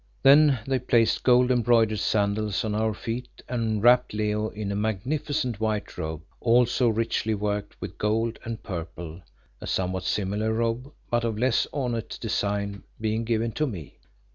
Then they placed gold embroidered sandals on our feet and wrapped Leo in a magnificent, white robe, also richly worked with gold and purple; a somewhat similar robe but of less ornate design being given to me.